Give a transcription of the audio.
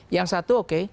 yang satu oke